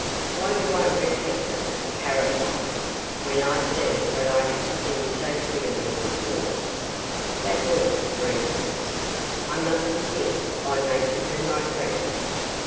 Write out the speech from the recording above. Why do I repeat them, parrot like, when I see what I have to do so clearly before me? That woman, for instance I must begin by making her my friend.